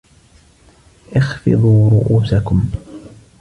اخفضوا رؤوسكم!